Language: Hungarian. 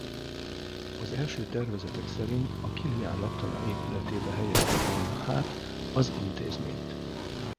Az első tervezetek szerint a Kilián laktanya épületébe helyezték volna át az intézményt.